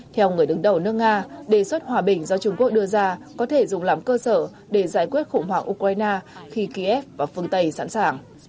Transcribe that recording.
theo người đứng đầu nước nga đề xuất hòa bình do trung quốc đưa ra có thể dùng làm cơ sở để giải quyết khủng hoảng ukraine khi kiev và phương tây sẵn sàng